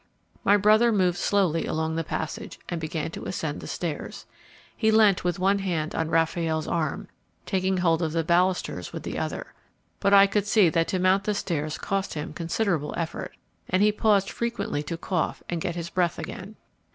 My brother moved slowly along the passage, and began to ascend the stairs. He leant with one hand on Raffaelle's arm, taking hold of the balusters with the other. But I could see that to mount the stairs cost him considerable effort, and he paused frequently to cough and get his breath again.